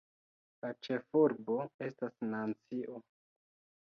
La ĉefurbo estas Nancio.